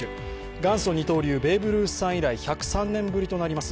元祖二刀流、ベーブ・ルースさん以来１０３年ぶりとなります